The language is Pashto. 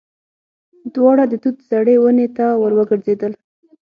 دواړه د توت زړې ونې ته ور وګرځېدل.